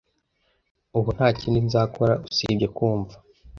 Ubu nta kindi nzakora usibye kumva,